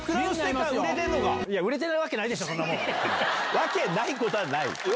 「わけない」ことはないよ。